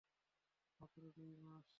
মাত্র দুই মাস?